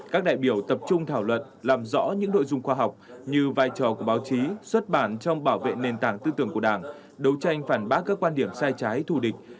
các đại biểu tập trung thảo luận làm rõ những nội dung khoa học như vai trò của báo chí xuất bản trong bảo vệ nền tảng tư tưởng của đảng đấu tranh phản bác các quan điểm sai trái thù địch